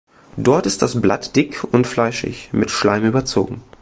Dort ist das Blatt dick und fleischig mit Schleim überzogen.